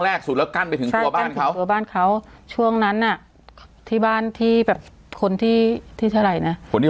สุดแล้วกั้นไปถึงตัวบ้านเขาตัวบ้านเขาช่วงนั้นน่ะที่บ้านที่แบบคนที่ที่เท่าไหร่นะคนที่